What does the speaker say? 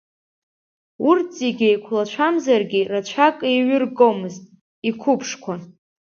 Урҭ зегьы еиқулацәамзаргьы, рацәак еиҩыргомызт, иқуԥшқуан.